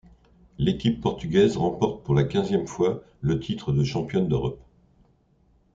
L'équipe portugaise remporte pour la quinzième fois le titre de championne d'Europe.